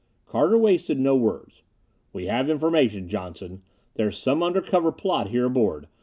Carter wasted no words. "We have information, Johnson there's some under cover plot here aboard.